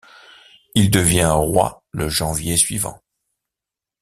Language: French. Il devient roi le janvier suivant.